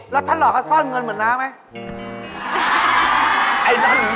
แล้วท่านหลอกเขาซ่อนเงินเหมือนน้าไหม